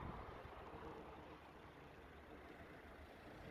বছর দুয়েক আগে জিম্বাবুয়ের সলোমন মিরে যেমন সুযোগ পেয়েছিলেন মেলবোর্ন রেনেগেডসে।